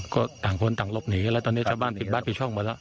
ก็ต่างคนต่างหลบหนีแล้วตอนนี้ชาวบ้านปิดบ้านปิดช่องไปแล้ว